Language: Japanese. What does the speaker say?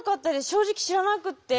正直知らなくて。